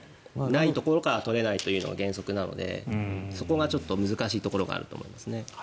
ないところから取れないというのが原則なのでそこがちょっと難しいところがあると思います。